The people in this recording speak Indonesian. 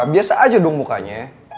biasa aja dong mukanya